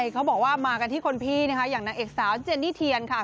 เขาบอกว่ามากันที่คนพี่นะคะอย่างนางเอกสาวเจนนี่เทียนค่ะ